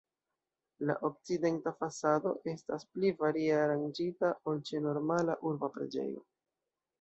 La okcidenta fasado estas pli varie aranĝita ol ĉe normala urba preĝejo.